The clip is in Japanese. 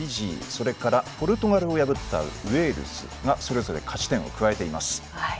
それからポルトガルを破ったウェールズがそれぞれ勝ち点を加えています。